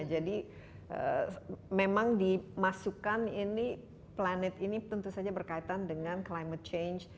jadi memang dimasukkan ini planet ini tentu saja berkaitan dengan climate change